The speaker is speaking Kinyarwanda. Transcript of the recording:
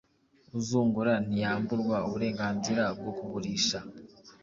uzungura ntiyamburwa uburenganzira bwo kugurisha